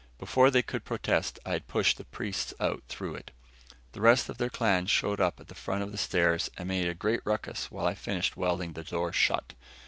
Before they could protest, I had pushed the priests out through it. The rest of their clan showed up at the foot of the stairs and made a great ruckus while I finished welding the door shut.